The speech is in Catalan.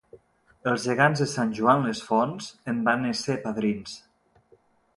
Els gegants de Sant Joan les Fonts en van ésser padrins.